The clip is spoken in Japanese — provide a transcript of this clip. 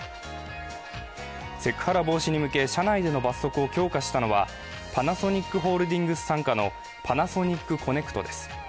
セクハラ防止に向け、社内での罰則を強化したのはパナソニックホールディングス傘下のパナソニックコネクトです。